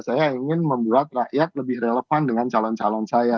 saya ingin membuat rakyat lebih relevan dengan calon calon saya